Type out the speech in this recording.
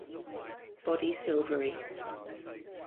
Body silvery.